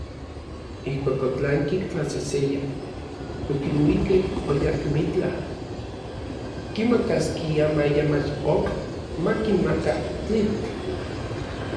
Ijkuak otlanki tlaseseya, okiluikej ayakmitlaj kimakaskiaj maya mach ok makinmaka tlitl.